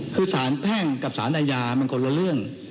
คือสารแพ่งกับสารอาญามันคนละเรื่อง